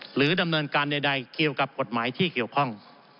หรือดำเนินการใดเกี่ยวกับกฎหมายที่เกี่ยวข้อง